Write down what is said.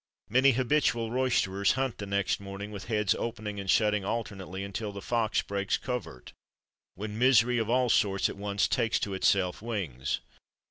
Many habitual roysterers hunt the next morning, with heads opening and shutting alternately, until the fox breaks covert, when misery of all sorts at once takes to itself wings.